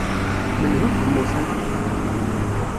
Menhu i yemmuten?